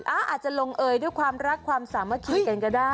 อาจจะลงเอยด้วยความรักความสามัคคีกันก็ได้